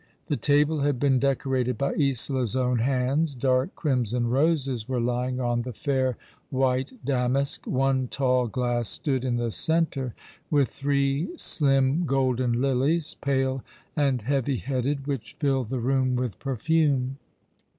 The table had been decorated by Isola's own hands. Dark crimson roses were lying on the fair white damask ; one tall glass stood in the centre with three slim golden lilies, pale and heavy headed, which filled the room with perfume.